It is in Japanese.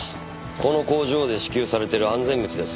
この工場で支給されてる安全靴です。